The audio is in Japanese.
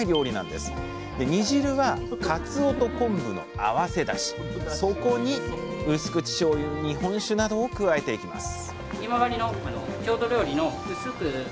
で煮汁はかつおと昆布の合わせだしそこにうす口しょうゆ日本酒などを加えていきます